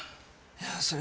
いやそれ